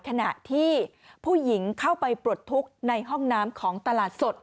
ขณะที่ผู้หญิงเข้าไปปลดทุกข์ในห้องน้ำของตลาดสด